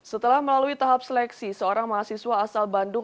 setelah melalui tahap seleksi seorang mahasiswa asal bandung